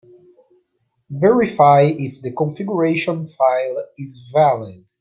Verify if the configuration file is valid.